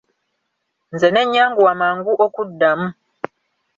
Nze ne nnyanguwa mangu okuddamu.